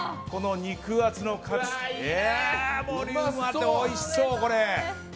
肉厚のカツでボリュームもあっておいしそう。